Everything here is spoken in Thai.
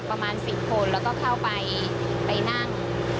ประมาณ๑๐คนแล้วก็เข้าไปนั่ง